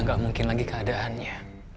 udah gak mungkin lagi keadaannya